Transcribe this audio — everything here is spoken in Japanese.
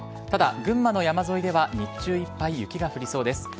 ただ、群馬の山沿いでは日中いっぱい雪が降りそうです。